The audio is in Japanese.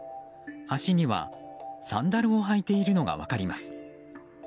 足にはサンダルを履いているのが分かります。